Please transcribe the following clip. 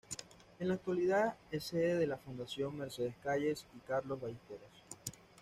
En la actualidad es sede de la Fundación Mercedes Calles y Carlos Ballestero.